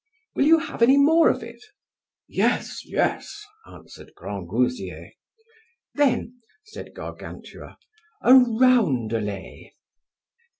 Will you have any more of it? Yes, yes, answered Grangousier. Then, said Gargantua, A Roundelay.